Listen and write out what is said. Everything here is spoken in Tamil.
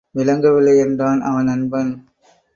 விளங்கவில்லை என்றான் அவன் நண்பன்.